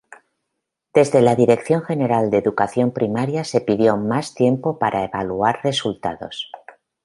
Desde la dirección general de educación primaria se pidió más tiempo para evaluar resultados.